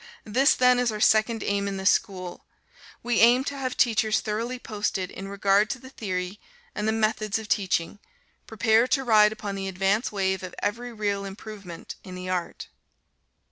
This, then, is our second aim in this school. We aim to have teachers thoroughly posted in regard to the theory and the methods of teaching, prepared to ride upon the advance wave of every real improvement in the art.